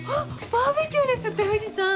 バーベキューですって藤さん。